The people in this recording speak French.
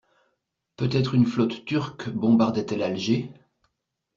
Peut-être une flotte turque bombardait-elle Alger?